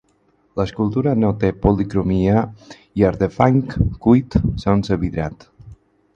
L'escultura no té policromia i és de fang cuit sense vidrat.